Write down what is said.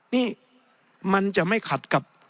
นี่มันจะไม่ขัดกับ